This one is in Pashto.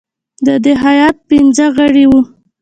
د دې هیات پنځه غړي وه.